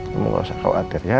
kamu gak usah khawatir ya